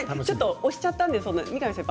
押してしまったので三上先輩